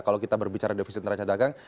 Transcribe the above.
kalau kita berbicara defisit neraca dagang